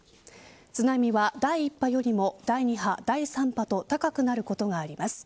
津波は第１波よりも第２波、第３波と高くなることがあります。